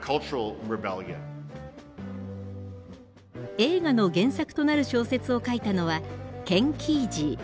映画の原作となる小説を書いたのはケン・キージー。